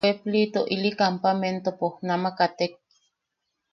Pueblito ili kampamentopo, nama katek.